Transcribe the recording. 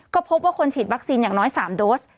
ก็พบว่าคนฉีดวัคซีนอย่างน้อย๓โดส